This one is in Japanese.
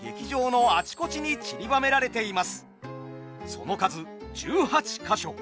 その数１８か所。